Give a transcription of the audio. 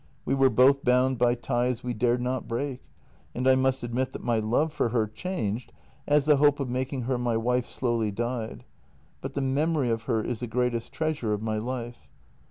We were both bound by ties we dared not break, and I must admit that my love for her changed as the hope of making her my wife slowly died, but the memory of her is the greatest treasure of my life.